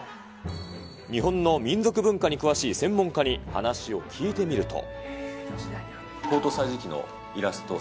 日本の民族文化に詳しい専門家に話を聞いてみると。